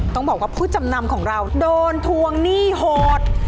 ต้องบอกว่าผู้จำนำของเราโดนทวงหนี้โหด